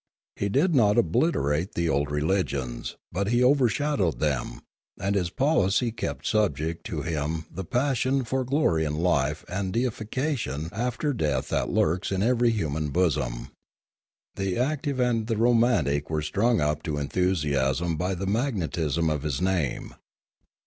He did not obliterate the old religions; but he overshadowed them, and his policy kept subject to him the passion for glory in life and deification after death that lurks in every human bosom. The active and the romantic were strung up to enthusiasm by the magnetism of his name.